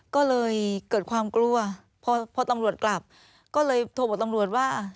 ก็เลยเกิดความกลัวพอพอตำรวจกลับก็เลยโทรบอกตำรวจว่า